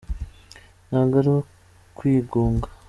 ntago arukwigunga.